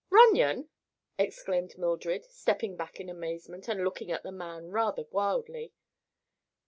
"Runyon!" exclaimed Mildred, stepping back in amazement and looking at the man rather wildly.